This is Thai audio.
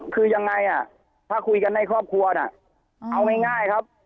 คือยังไงอ่ะถ้าคุยกันในครอบครัวน่ะเอาง่ายครับ